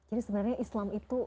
jadi sebenarnya islam itu